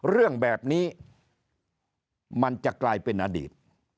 เรื่องแบบนี้มันจะกลายเป็นอดีต